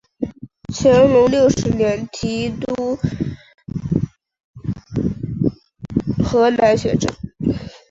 乾隆六十年提督河南学政。